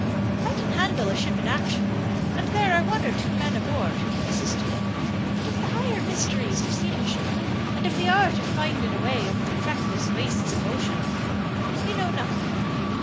I can handle a ship in action, and there are one or two men aboard who can assist me; but of the higher mysteries of seamanship and of the art of finding a way over the trackless wastes of ocean, we know nothing.